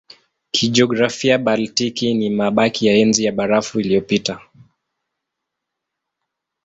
Kijiografia Baltiki ni mabaki ya Enzi ya Barafu iliyopita.